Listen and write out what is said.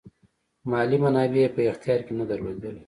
مالي منابع یې په اختیار کې نه درلودل.